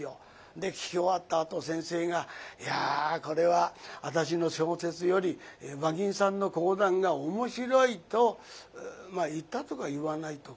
で聞き終わったあと先生が「いやこれは私の小説より馬琴さんの講談が面白い」と言ったとか言わないとか。